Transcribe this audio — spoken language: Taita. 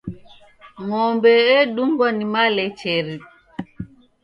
Ng'ombe edungwa ni malecheri.